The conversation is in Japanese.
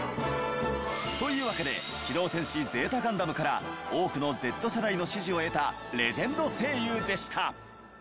というわけで『機動戦士Ｚガンダム』から多くのＺ世代の支持を得たレジェンド声優でした。